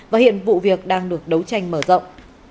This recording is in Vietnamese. và hiện vụ việc đang được đấu tranh mở rộng